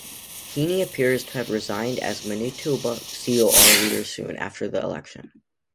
Heeney appears to have resigned as Manitoba CoR leader soon after the election.